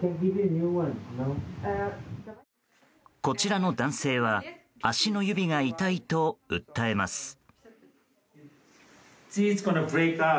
こちらの男性は足の指が痛いと訴えます。